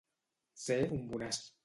Ser un bonàs.